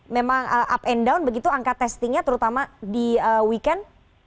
memang up and down begitu angka testingnya terutama di weekend